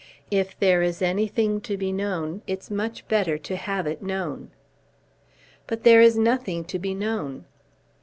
If there is anything to be known, it's much better to have it known." "But there is nothing to be known."